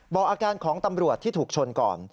บอกอาการของตำรวจที่ถูกชนก่อน